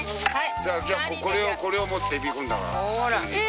じゃあこれを持ってエビ行くんだから。え！